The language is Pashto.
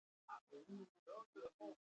دادی د واده ورا دې روانه ده.